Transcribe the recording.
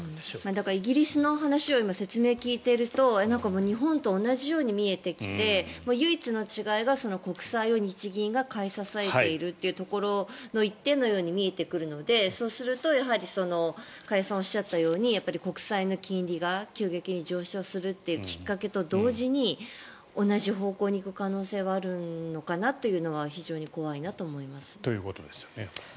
だからイギリスの話を今、説明を聞いていると日本と同じように見えてきて唯一の違いが国債を日銀が買い支えているというところの１点のように見えてくるのでそうすると加谷さんがおっしゃったように国債の金利が急激に上昇するというきっかけと同時に同じ方向に行く可能性はあるのかなというのはということですよね。